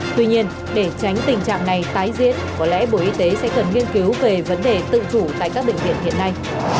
tuy nhiên để tránh tình trạng này tái diễn có lẽ bộ y tế sẽ cần nghiên cứu về vấn đề tự chủ tại các bệnh viện hiện nay